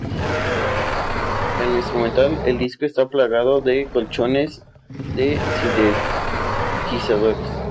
En lo instrumental, el disco está plagado de colchones de sintetizadores.